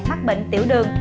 mắc bệnh tiểu đường